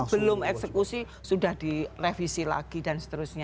sebelum eksekusi sudah direvisi lagi dan seterusnya